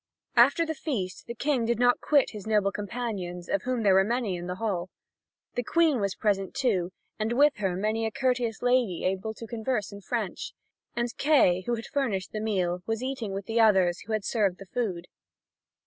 After the feast the King did not quit his noble companions, of whom there were many in the hall. The Queen was present, too, and with her many a courteous lady able to converse in French. And Kay, who had furnished the meal, was eating with the others who had served the food.